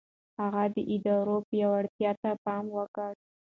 هغه د ادارو پياوړتيا ته پام وکړ.